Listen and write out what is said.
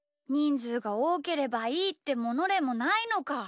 ずうがおおければいいってものでもないのか。